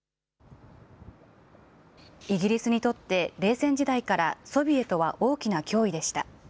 イギリスにとって冷戦時代からソビエトは大きな脅威でした。